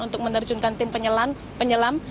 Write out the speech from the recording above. untuk menerjunkan tim penyelam